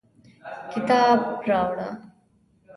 کتاب راوړه